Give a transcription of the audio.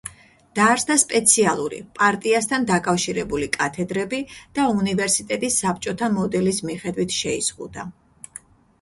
დაარსდა სპეციალური, პარტიასთან დაკავშირებული კათედრები და უნივერსიტეტი საბჭოთა მოდელის მიხედვით შეიზღუდა.